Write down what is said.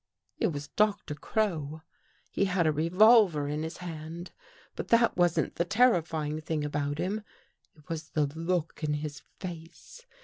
It was Doctor Crow. He had a re volver in his hand. But that wasn't the terrifying thing about him. It was the look in his face.